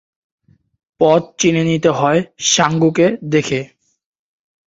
পথ চিনে নিতে হয় সাঙ্গুকে দেখে।